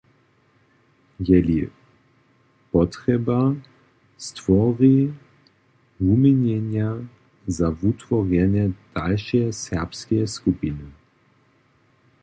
Je-li potrjeba, stwori wuměnjenja za wutworjenje dalšeje serbskeje skupiny.